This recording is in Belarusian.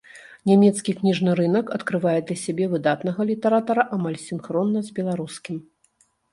Нямецкі кніжны рынак адкрывае для сябе выдатнага літаратара амаль сінхронна з беларускім.